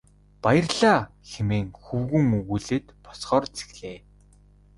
Баярлалаа хэмээн хөвгүүн өгүүлээд босохоор зэхлээ.